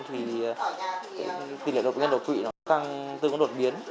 tỉ lệ bệnh nhân đột quỵ tăng từng đột biến